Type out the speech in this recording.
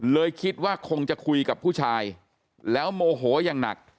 เลยคิดว่าคงจะคุยกับผู้ชายแล้วโมโหอย่างหนัก